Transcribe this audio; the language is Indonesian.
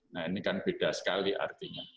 nah ini kan beda sekali artinya